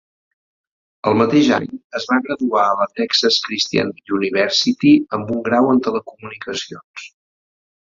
El mateix any, es va graduar a la Texas Christian University amb un grau en telecomunicacions.